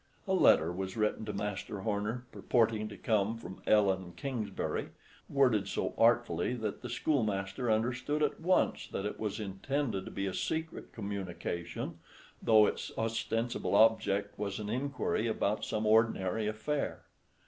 A letter was written to Master Horner, purporting to come from Ellen Kingsbury, worded so artfully that the schoolmaster understood at once that it was intended to be a secret communication, though its ostensible object was an inquiry about some ordinary affair.